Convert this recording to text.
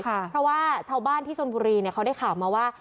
เพราะว่าชาวบ้านที่ชนบุรีเนี่ยเขาได้ข่าวมาว่า